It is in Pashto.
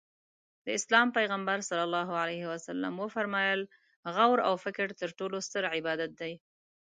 د اسلام پیغمبر ص وفرمایل غور او فکر تر ټولو ستر عبادت دی.